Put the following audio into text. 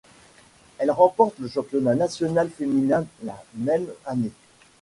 Elle remporte le championnat national féminin la même année.